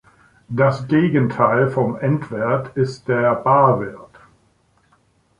Das Gegenteil vom Endwert ist der Barwert.